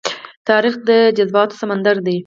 تاریخ د جذباتو سمندر دی.